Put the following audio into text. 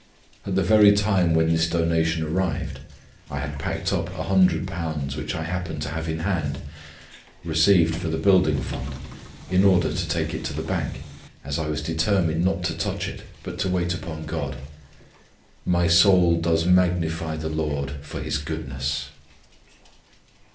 At the very time when this donation arrived, I had packed up £100 which I happened to have in hand; received for the Building Fund, in order to take it to the Bank, as I was determined not to touch it, but to wait upon God. My soul does magnify the Lord for His goodness.